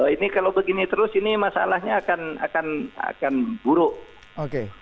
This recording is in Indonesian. ini kalau begini terus ini masalahnya akan buruk